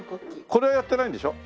これはやってないんでしょ？